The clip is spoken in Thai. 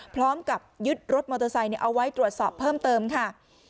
พร้อมกับยึดรถมอเตอร์ไซค์เอาไว้ตรวจสอบเพิ่มเติมค่ะ